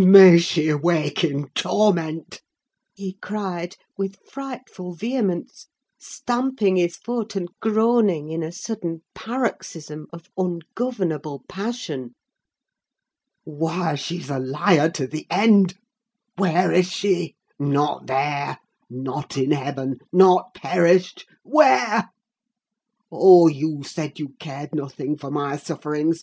"May she wake in torment!" he cried, with frightful vehemence, stamping his foot, and groaning in a sudden paroxysm of ungovernable passion. "Why, she's a liar to the end! Where is she? Not there—not in heaven—not perished—where? Oh! you said you cared nothing for my sufferings!